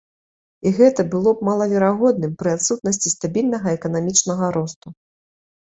І гэта было б малаверагодным пры адсутнасці стабільнага эканамічнага росту.